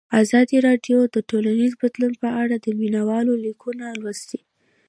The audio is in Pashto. ازادي راډیو د ټولنیز بدلون په اړه د مینه والو لیکونه لوستي.